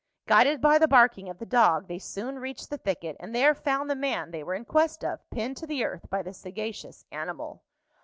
Guided by the barking of the dog, they soon reached the thicket, and there found the man they were in quest of, pinned to the earth by the sagacious animal.